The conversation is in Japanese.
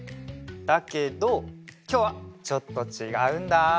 だけどきょうはちょっとちがうんだ。